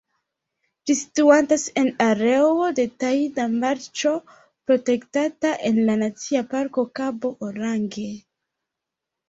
Ĝi situantas en areo de tajda marĉo protektata en la Nacia Parko Kabo Orange.